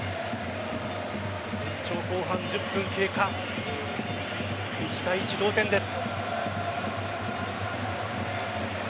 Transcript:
延長後半１０分経過１対１、同点です。